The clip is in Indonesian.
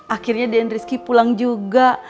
akhirnya den rizky pulang juga